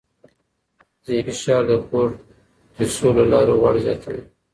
ذهني فشار د کورتیسول له لارې غوړ زیاتوي.